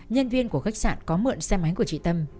nhân viên của khách sạn có mượn xe máy của chị tâm